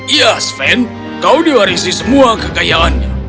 iya sven kau diwarisi semua kekayaannya